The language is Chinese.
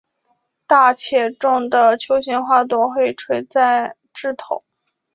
大且重的球形花朵会垂在枝头。